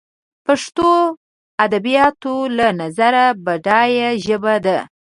پښتو دادبیاتو له نظره بډایه ژبه ده